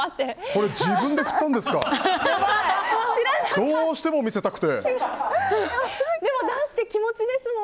これ、自分で振ったんですか？